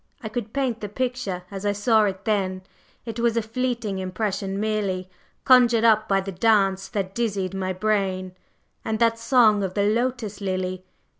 I could paint the picture as I saw it then! It was a fleeting impression merely, conjured up by the dance that dizzied my brain. And that song of the Lotus lily!